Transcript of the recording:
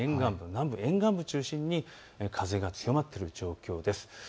南部、沿岸部中心に風が強まっている状況です。